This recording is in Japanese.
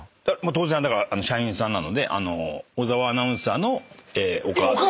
当然社員さんなので小澤アナウンサーのお母さん。